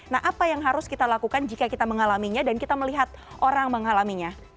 nah apa yang harus kita lakukan jika kita mengalaminya dan kita melihat orang mengalaminya